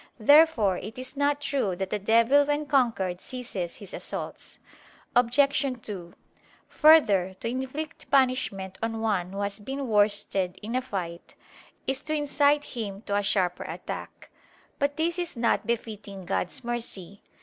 Therefore it is not true that the devil when conquered ceases his assaults. Obj. 2: Further, to inflict punishment on one who has been worsted in a fight, is to incite him to a sharper attack. But this is not befitting God's mercy.